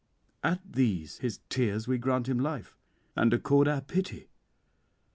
'At these his tears we grant him life, and accord our pity.